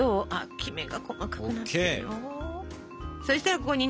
きめが細かくなってるよ。ＯＫ。